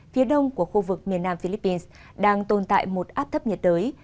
phía đông của khu vực miền nam philippines đang tồn tại một áp thấp nhiệt đới